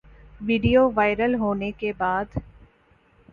video viral ہونے کے بعد